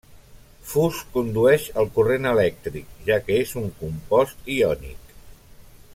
Fus condueix el corrent elèctric, ja que és un compost iònic.